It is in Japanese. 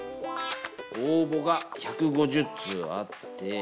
応募が１５０通あって。